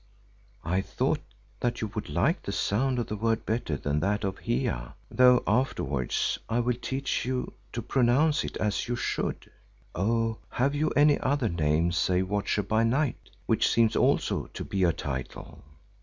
"I thought that you would like the sound of the word better than that of Hiya, though afterwards I will teach you to pronounce it as you should, O—have you any other name save Watcher by Night, which seems also to be a title?"